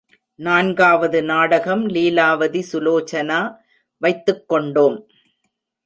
நான்காவது நாடகம் லீலாவதி சுலோசனா வைத்துக்கொண்டோம்.